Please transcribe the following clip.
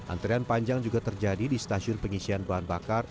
antrian panjang juga terjadi di stasiun pengisian bahan bakar